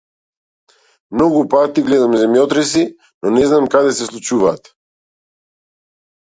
Многу пати гледам земјотреси, но не знам каде се случуваат.